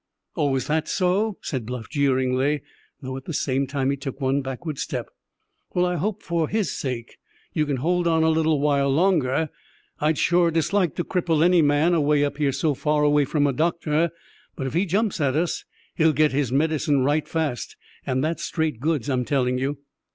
"Oh, is that so?" said Bluff jeeringly, though at the same time he took one backward step. "Well, I hope for his sake you can hold on a little while longer. I'd sure dislike to cripple any man, away up here so far away from a doctor; but if he jumps at us he'll get his medicine right fast. And that's straight goods, I'm telling you."